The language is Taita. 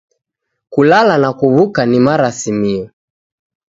Kulala na kuw'uka ni marasimio